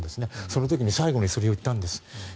その時に最後にそれを言ったんです。